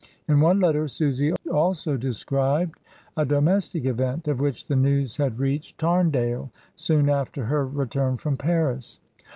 In one letter Susy also described : domestic event, of which the news had reached Tarndale soon after her return from Paris.